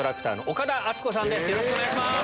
よろしくお願いします。